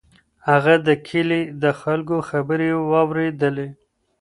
هغه د کلي د خلکو خبرې واورېدلې.